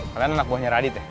kalian anak buahnya radit ya